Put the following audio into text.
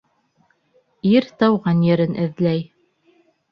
Ир тыуған ерен эҙләй.